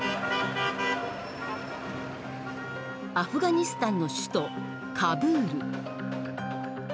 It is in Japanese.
アフガニスタンの首都カブール。